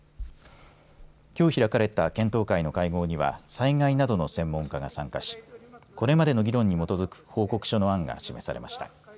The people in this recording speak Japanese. きょう開かれた検討会の会合には災害などの専門家が参加しこれまでの議論に基づく報告書の案が示されました。